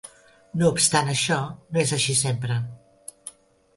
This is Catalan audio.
No obstant això, no és així sempre.